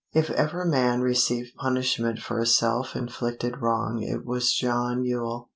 If ever man received punishment for a self inflicted wrong it was John Yule.